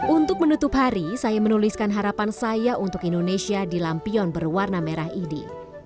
untuk menutup hari saya menuliskan harapan saya untuk indonesia di lampion berwarna merah ini